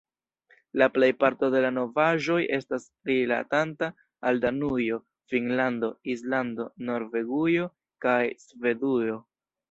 La plejparto de la novaĵoj estas rilatanta al Danujo, Finnlando, Islando, Norvegujo kaj Svedujo.